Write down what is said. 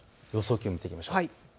気温、見ていきましょう。